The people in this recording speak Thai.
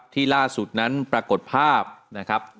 ล่าสุดนั้นปรากฏภาพนะครับ